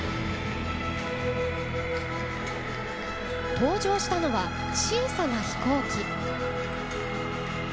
登場したのは小さな飛行機。